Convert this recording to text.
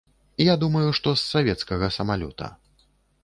Я думаю, што з савецкага самалёта.